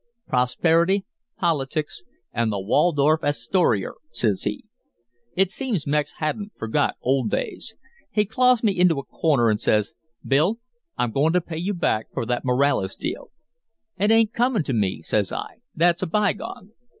"'Prosperity, politics, an' the Waldorf Astorier,' says he. It seems Mex hadn't forgot old days. He claws me into a corner an' says, 'Bill, I'm goin' to pay you back for that Moralez deal.' "'It ain't comin' to me,' says I. 'That's a bygone!'